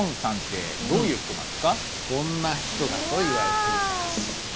先生こんな人だといわれています。